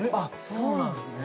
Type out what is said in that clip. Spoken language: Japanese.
そうなんですね。